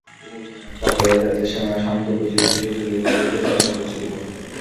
রাতে এজাজ এসে ওনার স্বামীকে বুঝিয়ে সুঝিয়ে তুলি ভাবিকে বাসায় পৌঁছে দিল।